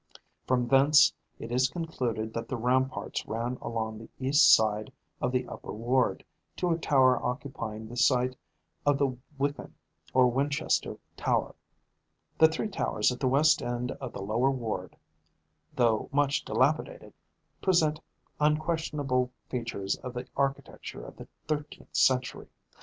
From thence it is concluded that the ramparts ran along the east side of the upper ward to a tower occupying the site of the Wykeham or Winchester Tower. The three towers at the west end of the lower ward, though much dilapidated, present unquestionable features of the architecture of the thirteenth century.